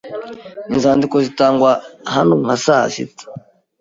Inzandiko zitangwa hano nka saa sita.